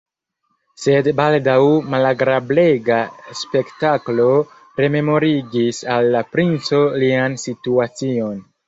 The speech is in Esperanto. Sed baldaŭ malagrablega spektaklo rememorigis al la princo lian situacion.